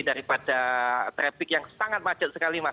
daripada traffic yang sangat macet sekali mas